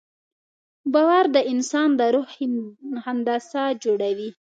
باور د انسان د روح هندسه جوړوي.